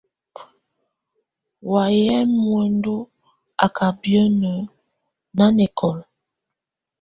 Wayɛ̀ muǝndù á ká biǝ́nǝ́ nanɛkɔ̀la.